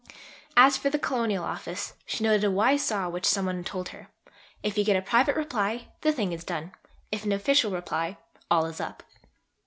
As for the Colonial Office, she noted a wise saw which some one told her: "If you get a private reply, the thing is done; if an official reply, all is up."